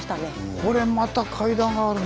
これまた階段があるね。